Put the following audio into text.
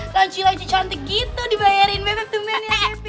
lanci lanci cantik gitu dibayarin bebe tumen ya sepia